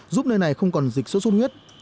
giúp nơi này không còn dịch sốt sốt huyết